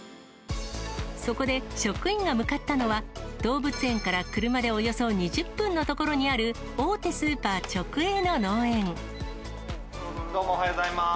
そこで、職員が向かったのは、動物園から車でおよそ２０分の所にある、どうも、おはようございます。